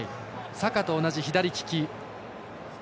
サカと同じ左利き。